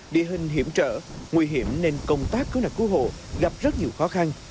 địa hình hiểm trở nguy hiểm nên công tác cứu nạn cứu hộ gặp rất nhiều khó khăn